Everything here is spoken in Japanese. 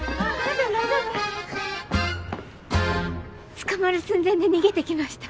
捕まる寸前で逃げてきました。